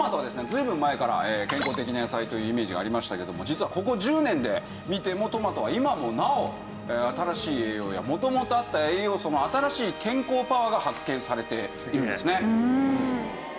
随分前から健康的な野菜というイメージがありましたけども実はここ１０年で見てもトマトは今もなお新しい栄養や元々あった栄養素の新しい健康パワーが発見されているんですね。